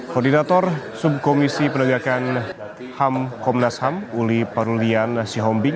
koordinator subkomisi penegakan ham komnas ham uli parulian sihombing